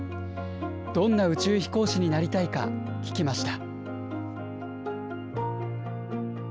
どんな宇宙飛行士になりたいか聞きました。